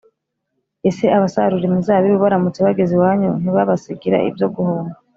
Ese abasarura imizabibu baramutse bageze iwanyu ntibabasigira ibyo guhumba